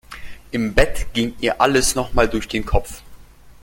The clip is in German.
Im Bett ging ihr alles noch mal durch den Kopf.